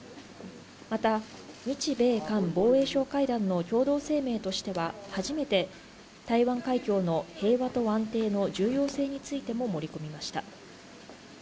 また日米韓防衛相会談の共同声明としては初めて、台湾海峡の平和と安定の重要性についても盛り込みました。